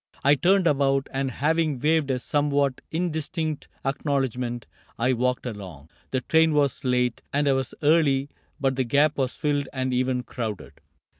I turned about And having waved a somewhat indistinct Acknowledgment, I walked along. The train Was late and I was early, but the gap Was filled and even crowded.